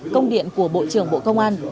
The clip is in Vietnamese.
công điện của bộ trưởng bộ công an